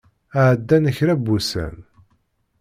Ɛeddan kra n wussan.